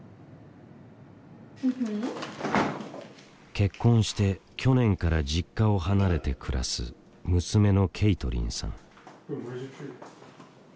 結婚して去年から実家を離れて暮らす娘のケイトリンさん。